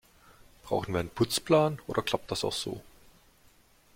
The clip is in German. Brauchen wir einen Putzplan, oder klappt das auch so?